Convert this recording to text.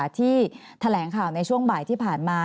ที่แถลงข่าวในช่วงบ่ายที่ผ่านมา